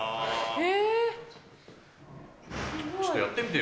え？